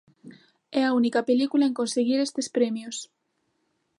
É a única película en conseguir estes premios.